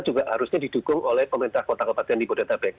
juga harusnya didukung oleh pemerintah kota kota yang di jabodetabek